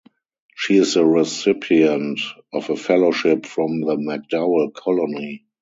She is the recipient of a fellowship from the MacDowell Colony.